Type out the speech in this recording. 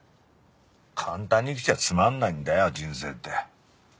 簡単に生きちゃつまんないんだよ人生って。